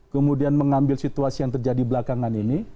kemudian mengambil situasi yang terjadi belakangan ini